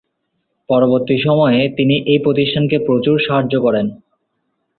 পরবর্তী সময়ে তিনি এই প্রতিষ্ঠানকে প্রচুর সাহায্য করেন।